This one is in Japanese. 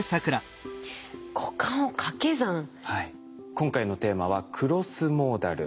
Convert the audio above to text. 今回のテーマは「クロスモーダル」。